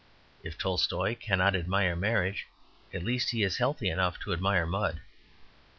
If Tolstoy cannot admire marriage, at least he is healthy enough to admire mud.